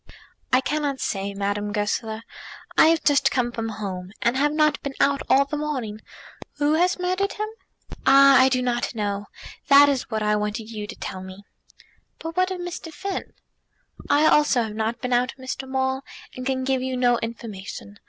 "I cannot say, Madame Goesler. I have just come from home, and have not been out all the morning. Who has murdered him?" "Ah! I do not know. That is what I wanted you to tell me." "But what of Mr. Finn?" "I also have not been out, Mr. Maule, and can give you no information.